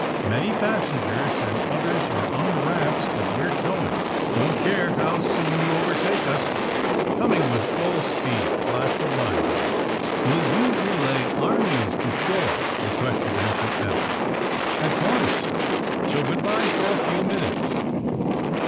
Many passengers and others are on rafts that we're towing. Don't care how soon you overtake us.'^ *^ Coming, with all speed," flashed the Wya noke." 146 THE SUBMAEINE BOYS *^"Will you relay our news to shore ?" re quested Ensign Eph. *'At once, so good bye for a few minutes."